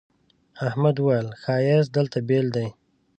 احمد وويل: ښایست دلته بېل دی.